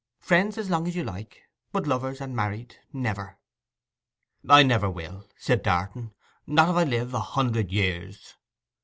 Friends as long as you like, but lovers and married never.' 'I never will,' said Darton. 'Not if I live a hundred years.